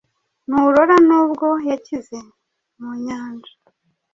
nturora n’ubwo yakize mu nyanja,